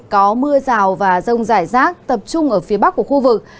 có mưa rào và rông rải rác tập trung ở phía bắc của khu vực